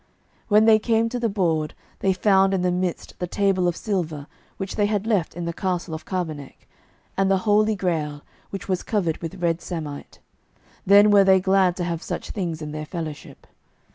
When they came to the board, they found in the midst the table of silver, which they had left in the castle of Carboneck, and the Holy Grail, which was covered with red samite. Then were they glad to have such things in their fellowship.